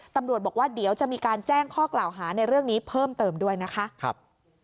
ตำรวจบอกว่าเดี๋ยวจะมีการแจ้งข้อกล่าวหาในเรื่องนี้เพิ่มเติมด้วยนะคะ